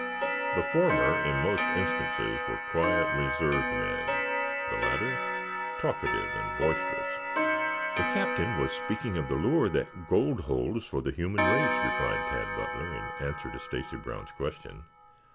The former, in most instances, were quiet, reserved men, the latter talkative and boisterous. "The Captain was speaking of the lure that gold holds for the human race," replied Tad Butler in answer to Stacy Brown's question.